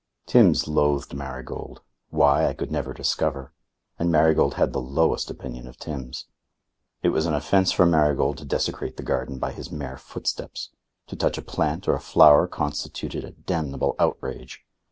Timbs loathed Marigold why, I could never discover and Marigold had the lowest opinion of Timbs. It was an offence for Marigold to desecrate the garden by his mere footsteps; to touch a plant or a flower constituted a damnable outrage.